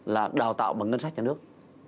là đào tạo bằng ngân sách nhà nước